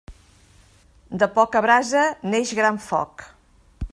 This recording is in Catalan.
De poca brasa neix gran foc.